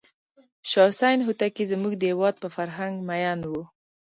شاه حسین هوتکی زموږ د هېواد په فرهنګ مینو و.